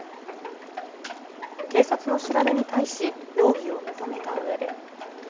警察の調べに対し、容疑を認めたうえで。